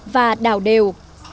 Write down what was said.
và đào đều